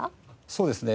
そうですね。